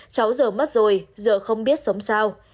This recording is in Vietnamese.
cháu giờ mất rồi giờ không biết sống sao